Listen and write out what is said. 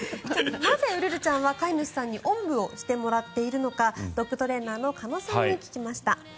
なぜウルルちゃんは飼い主さんにおんぶをしてもらっているのかドッグトレーナーの鹿野さんに聞きました。